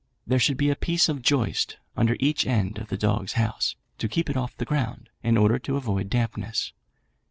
There should be a piece of joist under each end of the dog house, to keep it off the ground, in order to avoid dampness.